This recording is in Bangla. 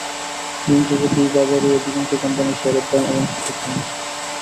দিন শেষে দুই বাজারেই অধিকাংশ কোম্পানির শেয়ারের দাম এবং সূচক কমেছে।